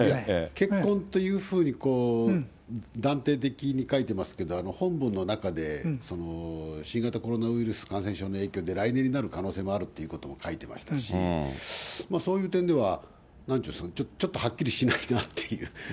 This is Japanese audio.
結婚というふうに断定的に書いてますけれども、本文の中で新型コロナウイルス感染症の影響で来年になる可能性もあると書いてましたし、そういう点では、なんて言うんですかね、ちょっとはっきりしないなっていう。